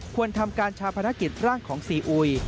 ควรทำการชาพนักกิจร่างของซีอุย